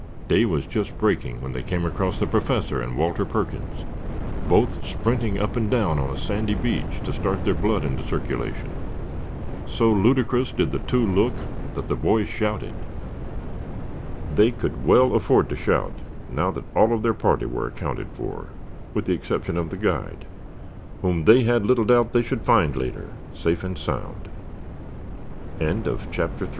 Day was just breaking when they came across the Professor and Walter Perkins, both sprinting up and down on a sandy beach to start their blood into circulation. So ludicrous did the two look that the boys shouted. They could well afford to shout now that all of their party were accounted for, with the exception of the guide, whom they had little doubt they should find later safe and sound. CHAPTER IV WHAT HAPPENED TO CHOPS